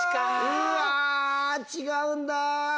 うわ違うんだ。